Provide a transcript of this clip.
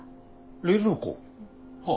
冷蔵庫？はあ。